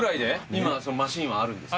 今そのマシンはあるんですか？